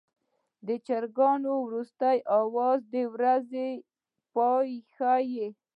د چرګانو وروستی اواز د ورځې پای ښيي.